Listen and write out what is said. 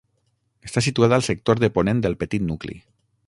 Està situada al sector de ponent del petit nucli.